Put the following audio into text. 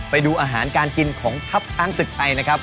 ไปดูอาหารการกินของทัพช้างศึกไทยนะครับ